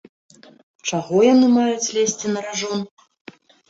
Чаго яны маюць лезці на ражон?